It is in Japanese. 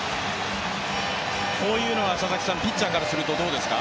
こういうのがピッチャーからするとどうですか？